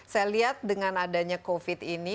saya lihat dengan adanya covid ini